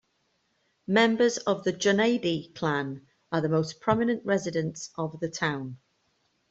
Members of the Joneidi clan are the most prominent residents of the town.